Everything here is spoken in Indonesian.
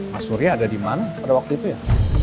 pak surya ada di mana pada waktu itu ya